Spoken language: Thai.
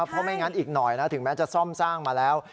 เพราะไม่งั้นอีกหน่อยนะถึงแม้จะซ่อมสร้างมาแล้ว